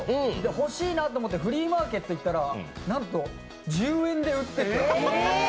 欲しいなと思ってフリーマーケット行ったら、なんと１０円で売ってて。